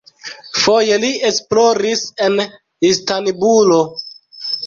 Foje li esploris en Istanbulo.